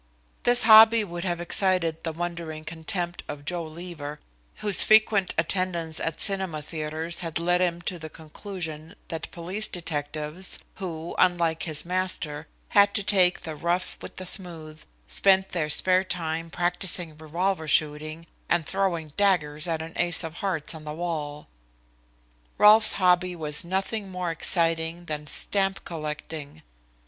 This hobby would have excited the wondering contempt of Joe Leaver, whose frequent attendance at cinema theatres had led him to the conclusion that police detectives who, unlike his master, had to take the rough with the smooth spent their spare time practising revolver shooting, and throwing daggers at an ace of hearts on the wall. Rolfe's hobby was nothing more exciting than stamp collecting.